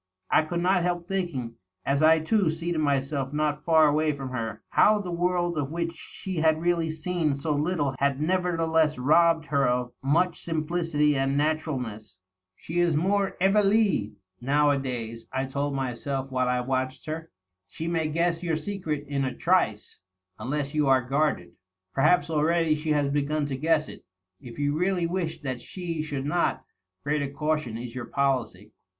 I could not help thinking, as I too seated myself not far away from her, how the world of which she had really seen so little had nevertheless robbed her of much simplicity and naturalness. ^She is more iveiiUe nowadays,' I told myself while I watched her. ' She may guess your secret in a trice, unless you are guarded. Per haps already she has b^un to guess it. If you really wish that she should not, greater caution is your policy.'